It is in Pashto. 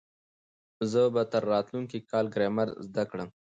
زه به تر راتلونکي کاله ګرامر زده کړم.